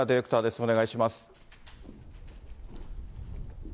お願いします。